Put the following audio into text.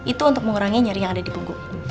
itu untuk mengurangi nyeri yang ada di punggung